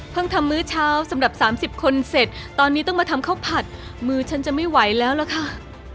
ทำมื้อเช้าสำหรับ๓๐คนเสร็จตอนนี้ต้องมาทำข้าวผัดมือฉันจะไม่ไหวแล้วล่ะค่ะ